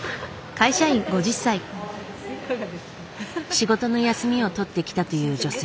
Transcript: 仕事の休みを取って来たという女性。